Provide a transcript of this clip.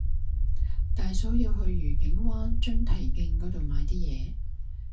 大嫂要去愉景灣津堤徑嗰度買啲嘢